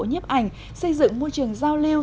nhếp ảnh xây dựng môi trường giao lưu